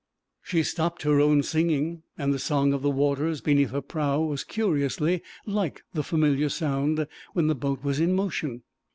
She stopped her own singing, and the song of the waters beneath her prow was curiously like the familiar sound when the boat was in motion.